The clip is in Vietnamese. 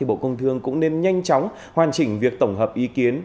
bộ công thương cũng nên nhanh chóng hoàn chỉnh việc tổng hợp ý kiến